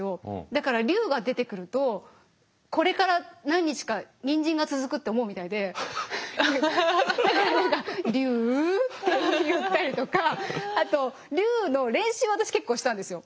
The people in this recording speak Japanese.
だから龍が出てくるとこれから何日かニンジンが続くって思うみたいでだから何か「龍？」って言ったりとかあと龍の練習を私結構したんですよ。